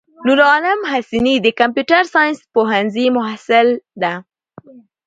نورعالم حسیني دکمپیوټر ساینس پوهنځی محصل ده.